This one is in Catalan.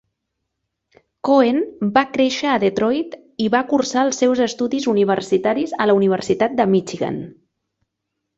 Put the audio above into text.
Cohen va créixer a Detroit i va cursar els seus estudis universitaris a la Universitat de Michigan.